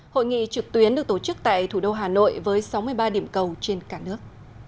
hội nghị trực tuyến được tổ chức tại thủ đô hà nội với sáu mươi ba điểm cầu trên cả nước